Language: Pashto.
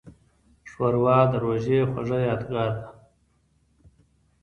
ښوروا د روژې خوږه یادګار ده.